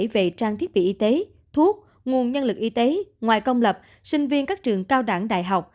về trang thiết bị y tế thuốc nguồn nhân lực y tế ngoài công lập sinh viên các trường cao đẳng đại học